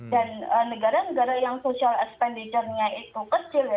dan negara negara yang social expenditure nya itu kecil ya